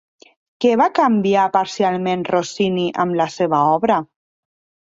Què va canviar parcialment Rossini en la seva obra?